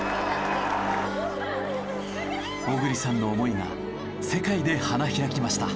小栗さんの思いが世界で花開きました。